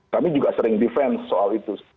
kami juga sering defense soal itu